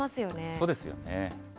そうですよね。